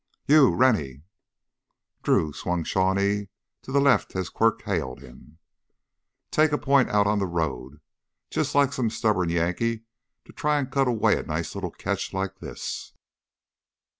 "You, Rennie!" Drew swung Shawnee to the left as Quirk hailed him. "Take point out on the road. Just like some stubborn Yankee to try and cut away a nice little catch like this."